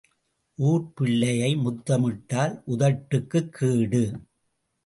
ஊர்ப் பிள்ளையை முத்தமிட்டால் உதட்டுக்குக் கேடு.